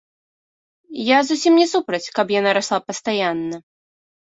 Я зусім не супраць, каб яна расла пастаянна.